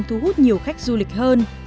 thú hút nhiều khách du lịch hơn